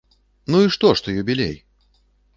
Ну і што, што юбілей?